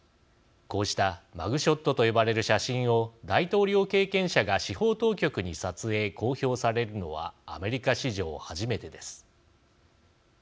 こうしたマグショットと呼ばれる写真を大統領経験者が司法当局に撮影公表されるのはアメリカ史上初めてです。